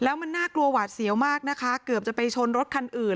แล้วมันน่ากลัวหวาดเสียวมากนะคะเกือบจะไปชนรถคันอื่น